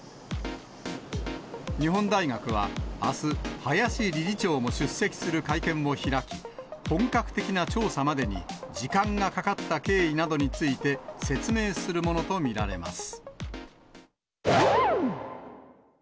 日本大学は、あす、林理事長も出席する会見を開き、本格的な調査までに時間がかかった経緯などについて説明するものと見られます。